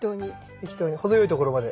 適当に程よいところまで。